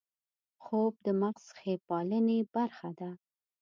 خوب د مغز ښې پالنې برخه ده